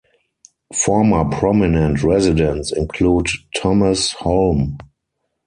Former prominent residents include Thomas Holme.